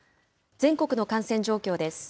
全国の感染状況です。